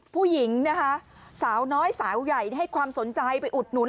ผู้หญิงนะคะสาวน้อยสาวใหญ่ให้ความสนใจไปอุดหนุน